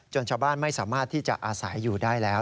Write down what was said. ชาวบ้านไม่สามารถที่จะอาศัยอยู่ได้แล้ว